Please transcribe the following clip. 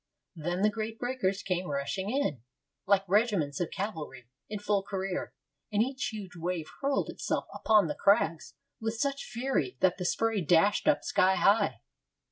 Then the great breakers came rushing in, like regiments of cavalry in full career, and each huge wave hurled itself upon the crags with such fury that the spray dashed up sky high.